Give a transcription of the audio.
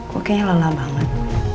kok kayaknya lelah banget